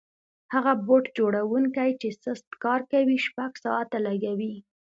هغه بوټ جوړونکی چې سست کار کوي شپږ ساعته لګوي.